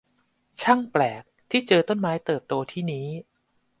ช่างแปลก ที่เจอต้นไม้เติบโตที่นี้ !